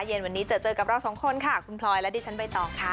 เย็นวันนี้เจอเจอกับเราสองคนค่ะคุณพลอยและดิฉันใบตองค่ะ